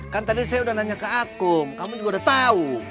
kan tadi saya udah nanya ke aku kamu juga udah tahu